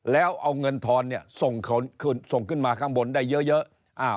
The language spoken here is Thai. แล้วเอาเงินทอนเนี่ยส่งขึ้นมาข้างบนได้เยอะ